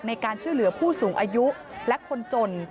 ในการช่วยเหลือผู้สูงอายุและคนจน